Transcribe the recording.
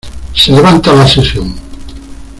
Se levanta la sesión.